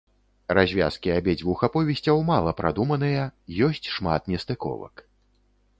Развязкі абедзвюх аповесцяў мала прадуманыя, ёсць шмат нестыковак.